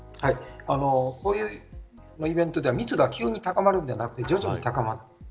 こういうイベントでは密度は急に高まるのではなく徐々に高まります。